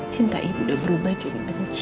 cinta ibu udah berubah jadi benci